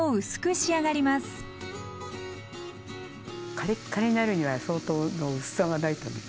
カリッカリになるには相当の薄さがないとね。